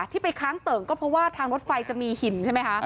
ที่ไปค้างเติ่งก็เพราะว่าทางรถไฟจะมีหินใช่ไหมคะ